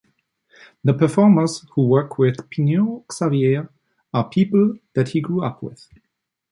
The performers who work with Phideaux Xavier are people that he grew up with.